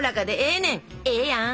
ええやん！